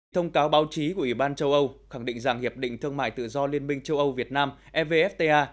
thông cáo báo chí của ủy ban châu âu khẳng định rằng hiệp định thương mại tự do liên minh châu âu việt nam evfta